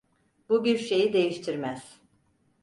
Bu bir şeyi değiştirmez.